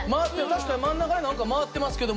確かに真ん中で何か回ってますけども。